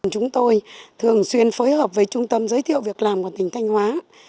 chúng tôi thường xuyên phối hợp với trung tâm giới thiệu việc làm của tỉnh thanh hóa